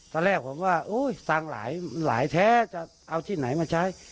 ตอนแรกผมก็ว่าโอ๊ยสั่งหลายแท้เอาที่ไหนมาใช้